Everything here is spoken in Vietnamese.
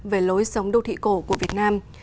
về lối sống đô thị cổ của việt nam